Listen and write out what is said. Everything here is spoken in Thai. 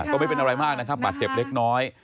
ไม่เป็นอะไรมากนะครับบาดเจ็บเล็กน้อย